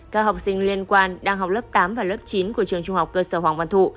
các học sinh liên quan đang học lớp tám và lớp chín của trường trung học cơ sở hoàng văn thụ